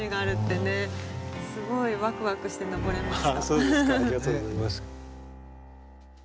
そうですかありがとうございます。